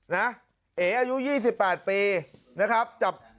นะเอ๊ะอายุ๒๘ปีนะครับ